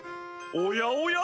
おやおや？